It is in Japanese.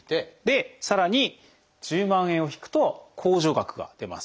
さらに１０万円を引くと控除額が出ます。